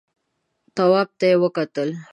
تواب ته يې وکتل.